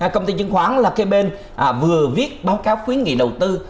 công ty chứng khoán là kê bên vừa viết báo cáo khuyến nghị đầu tư